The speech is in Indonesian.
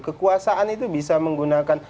kekuasaan itu bisa menggunakan